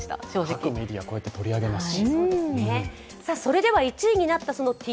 各メディア、こうやって取り上げますし。